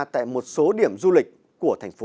tại một số điểm du lịch của thành phố